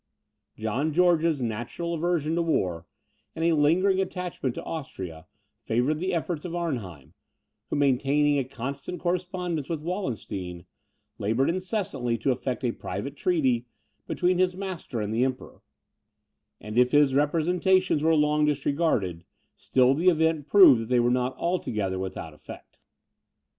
John George's natural aversion to war, and a lingering attachment to Austria, favoured the efforts of Arnheim; who, maintaining a constant correspondence with Wallenstein, laboured incessantly to effect a private treaty between his master and the Emperor; and if his representations were long disregarded, still the event proved that they were not altogether without effect.